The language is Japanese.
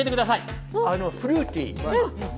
フルーティー。